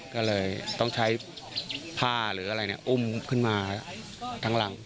ก็เลยต้องใช้ผ้าหรืออะไรอุ้มขึ้นมาทั้งหลัง